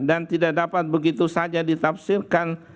dan tidak dapat begitu saja ditafsirkan